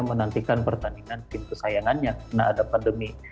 menantikan pertandingan tim kesayangan yang pernah ada pandemi